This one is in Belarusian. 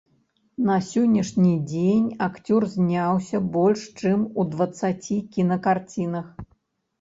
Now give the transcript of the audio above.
На сённяшні дзень акцёр зняўся больш чым у дваццаці кінакарцінах.